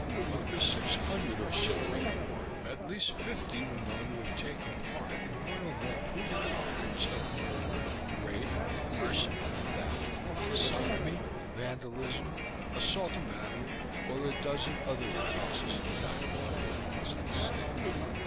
Of the six hundred or so in the court, at least fifty were known to have taken part in one or more provable acts of murder, rape, arson, theft, sodomy, vandalism, assault and battery or a dozen other offenses indictable under the laws of the state.